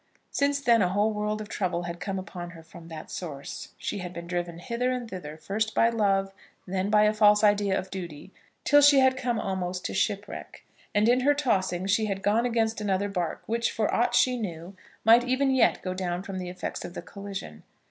Since then a whole world of trouble had come upon her from that source. She had been driven hither and thither, first by love, and then by a false idea of duty, till she had come almost to shipwreck. And in her tossing she had gone against another barque which, for aught she knew, might even yet go down from the effects of the collision.